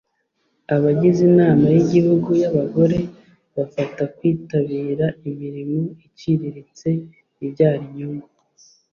Abagize Inama y’Igihugu y’Abagore bafata kwitabira imirimo iciriritse ibyara inyungu